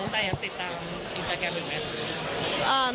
แต่ยังติดตามอินเตอร์แกรมหรือไหม